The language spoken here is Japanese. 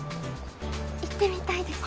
行ってみたいです